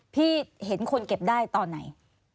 พี่เห็นคนเก็บได้ตอนไหน